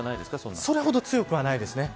それほど強くはないです。